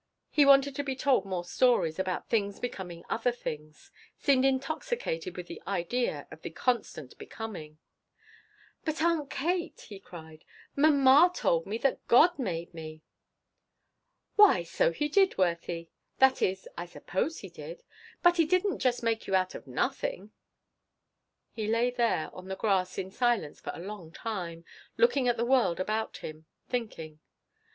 He wanted to be told more stories about things becoming other things, seemed intoxicated with that idea of the constant becoming. "But, Aunt Kate," he cried, "mama told me that God made me!" "Why so He did, Worthie that is, I suppose He did but He didn't just make you out of nothing." He lay there on the grass in silence for a long time, looking at the world about him thinking.